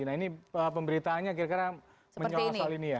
nah ini pemberitaannya kira kira menyorot soal ini ya